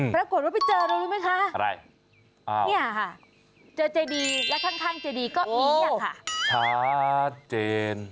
ปรากฏว่าไปเจอแล้วรู้ไหมคะนี่ค่ะโอ้โฮชาเจน